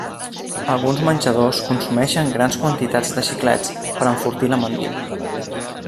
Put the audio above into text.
Alguns menjadors consumeixen grans quantitats de xiclets per enfortir la mandíbula.